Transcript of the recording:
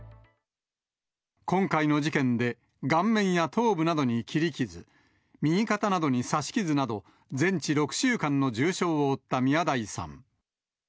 今回の事件で、顔面や頭部などに切り傷、右肩などに刺し傷など、全治６週間の重傷を負った宮台さん。